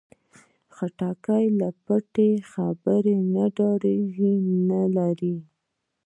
خټکی له پټې خبرې نه ډار نه لري.